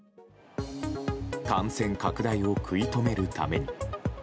感染拡大を食い止めるために。